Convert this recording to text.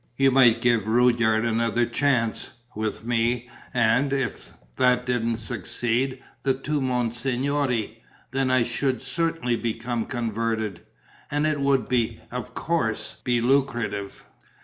You might give Rudyard another chance, with me; and, if that didn't succeed, the two monsignori. Then I should certainly become converted.... And it would of course be lucrative."